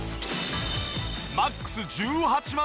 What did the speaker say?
マックス１８万